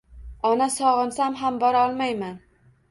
Ona, sog’insam ham bora olmayman